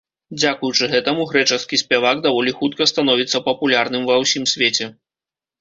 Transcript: Дзякуючы гэтаму, грэчаскі спявак даволі хутка становіцца папулярным ва ўсім свеце.